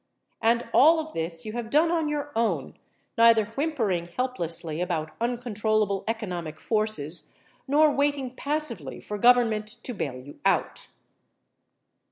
And all of this you have done on your own, neither whimpering helplessly about uncontrollable economic forces nor waiting passively for Government to bail you out.